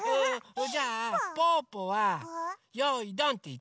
それじゃあぽぅぽは「よいどん」っていって。